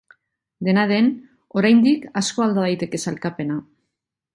Dena den, oraindik asko alda daiteke sailkapena.